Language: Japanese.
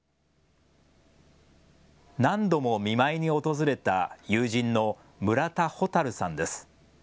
何度も見舞いに訪れた友人の村田帆琉さんです。